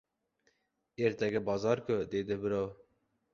— Ertaga bozor-ku! — dedi birov.